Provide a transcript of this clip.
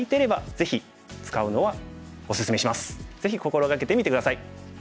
ぜひ心掛けてみて下さい。